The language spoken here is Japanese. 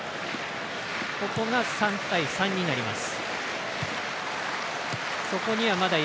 ここが３対３になります。